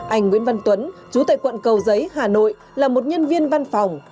anh nguyễn văn tuấn chú tại quận cầu giấy hà nội là một nhân viên văn phòng